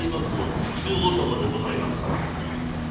不忠男でございますから」。